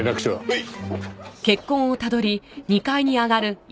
はい。